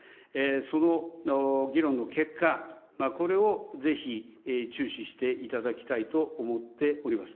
その議論の結果、これをぜひ注視していただきたいと思っております。